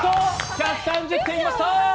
１３０点でました！